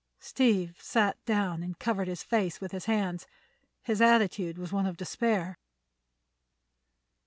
Steve sat down and covered his face with his hands. His attitude was one of despair.